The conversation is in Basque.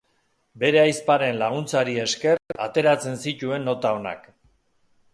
Bere ahizparen laguntzari esker ateratzen zituen nota onak.